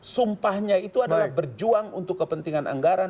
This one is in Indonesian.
sumpahnya itu adalah berjuang untuk kepentingan anggaran